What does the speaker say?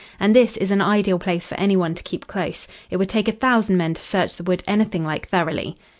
And this is an ideal place for any one to keep close. It would take a thousand men to search the wood anything like thoroughly."